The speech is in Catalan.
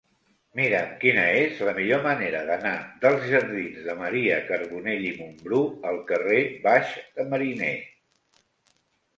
Mira'm quina és la millor manera d'anar dels jardins de Maria Carbonell i Mumbrú al carrer Baix de Mariner.